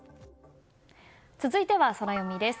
続いてはソラよみです。